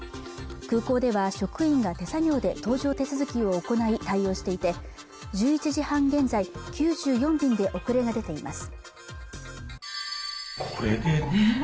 空港では職員が手作業で搭乗手続きを行い対応していて１１時半現在９４便で遅れが出ています